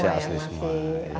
masih asli semua